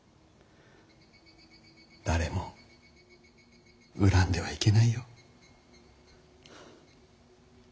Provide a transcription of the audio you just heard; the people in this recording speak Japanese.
誰も恨んではいけないよ。